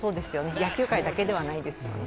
野球界だけではないですよね。